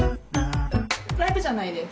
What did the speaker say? ライブじゃないです。